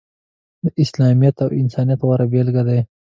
د اسلامیت او انسانیت غوره بیلګې دي.